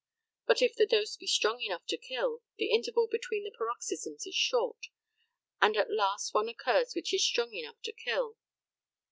But if the dose be strong enough to kill, the interval between the paroxysms is short, and at last one occurs which is strong enough to kill.